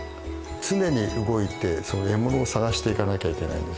常に動いて獲物を探していかなきゃいけないんですね。